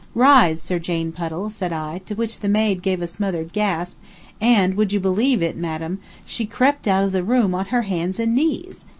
"Rise, Sir Jane Puddle," said I, to which the maid gave a smothered gasp, and would you believe it, madam? she crept out of the room on her hands and knees.